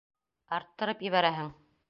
Арттырып ебәрәһең!